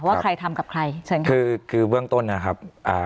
ว่าใครทำกับใครเชิญค่ะคือคือเบื้องต้นนะครับอ่า